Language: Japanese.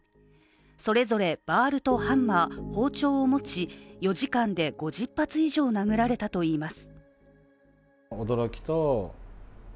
それぞれバールとハンマー、包丁を持ち４時間で５０発以上殴られたといいます。